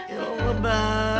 ya allah ba